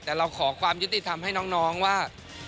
แต่เราขอความยุติธรรมให้น้องว่า